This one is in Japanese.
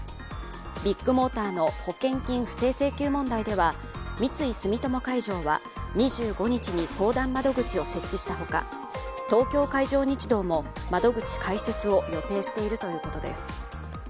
ビッグモーターの保険金不正請求問題では三井住友海上は２５日に相談窓口を設置したほか東京海上日動も窓口開設を予定しているということです。